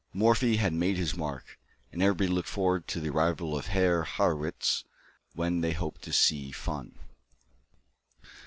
Morphy had made his mark, and everybody looked forward to the arrival of Herr Harrwitz, when they hoped to see fun.